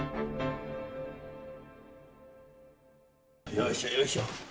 よいしょよいしょ。